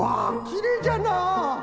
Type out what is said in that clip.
きれいじゃな。